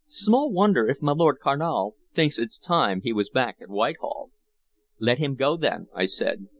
Small wonder if my Lord Carnal thinks it's time he was back at Whitehall." "Let him go, then," I said.